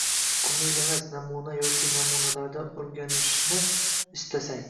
Kumir emas namuna yoki namunalardan o’rganishni istasang.